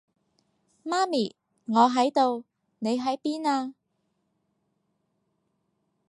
媽咪，我喺度，你喺邊啊？